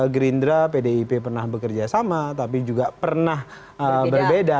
gerindra pdip pernah bekerja sama tapi juga pernah berbeda